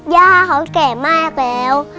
ย่าเขาแก่มากแล้ว